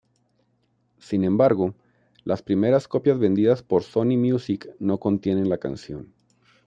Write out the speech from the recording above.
Sin embargo, las primeras copias vendidas por Sony Music no contienen la canción.